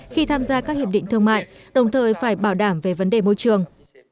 khi tham gia các hiệp định thương mại đồng thời phải bảo đảm về vấn đề môi trường